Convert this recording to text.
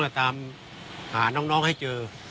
ตามหาน้องให้เจอ